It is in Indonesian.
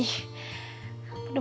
sama sama aldebaran afari